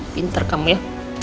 pinter kamu ya